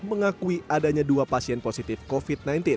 mengakui adanya dua pasien positif covid sembilan belas